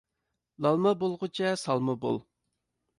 لالما بولغۇچە سالما بول.